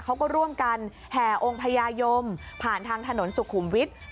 เขาก็ร่วมกันแห่องค์พญายมผ่านทางถนนสุขุมวิทย์